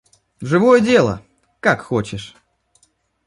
Живое дело, как хочешь!